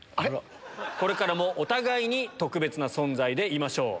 これからもお互いに特別な存在でいましょう。